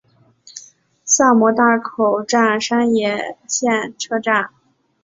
萨摩大口站山野线车站。